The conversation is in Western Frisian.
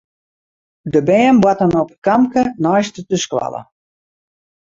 De bern boarten op it kampke neist de skoalle.